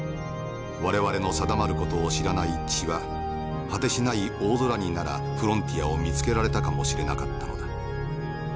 我々の定まる事を知らない血は果てしない大空にならフロンティアを見つけられたかもしれなかったのだ。